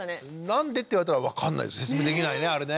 何でって言われたら分かんない説明できないねあれね。